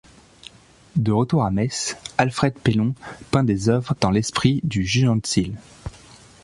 De retour à Metz, Alfred Pellon peint des œuvres dans l’esprit du Jugendstil.